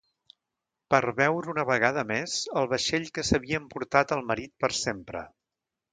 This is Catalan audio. Per veure una vegada més el vaixell que s’havia emportat el marit per sempre.